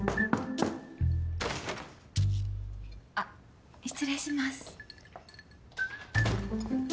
あっ失礼します。